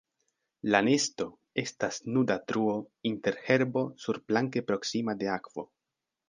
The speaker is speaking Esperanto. La nesto estas nuda truo inter herbo surplanke proksima de akvo.